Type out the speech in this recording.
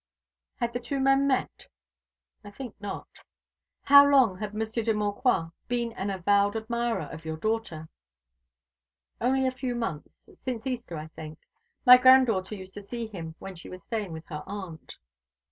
"Had the two men met?" "I think not." "How long had Monsieur de Maucroix been an avowed admirer of your daughter?" "Only a few months since Easter, I think. My granddaughter used to see him when she was staying with her aunt."